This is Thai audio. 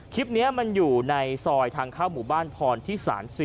คลิปนี้มันอยู่ในซอยทางเข้าหมู่บ้านพรที่๓๔